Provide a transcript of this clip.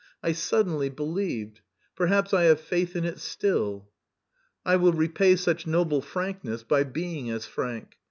I suddenly believed.... Perhaps I have faith in it still." "I will repay such noble frankness by being as frank.